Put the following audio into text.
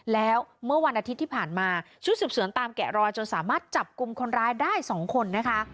แล้วเมื่อวันอาทิตย์ที่ผ่านมาชุดสืบสวนตามแกะรอยจนสามารถจับกลุ่มคนร้ายได้๒คนนะคะ